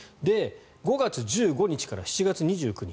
５月１５日から７月２９日